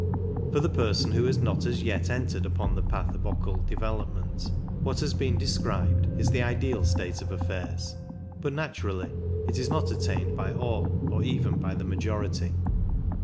For the person who has not as yet entered upon the path of occult development, what has been described is the ideal state of affairs, but naturally it is not attained by all, or even by the majority.